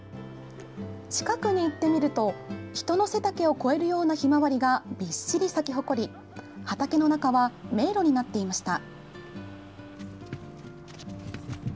近くに行ってみると人の背丈を超えるようなひまわりが、びっしり咲き誇り畑の中は迷路になっていました。